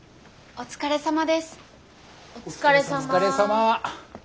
お疲れさま。